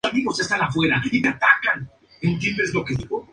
Sus conocimientos imprimen un tinte de autenticidad a sus letras y música.